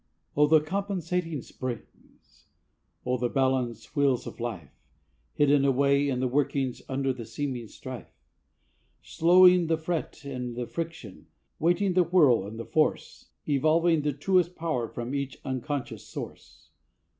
O the compensating springs! O the balance wheels of life, Hidden away in the workings under the seeming strife! Slowing the fret and the friction, weighting the whirl and the force, Evolving the truest power from each unconscious source.